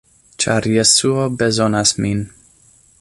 ĉar Jesuo bezonas min.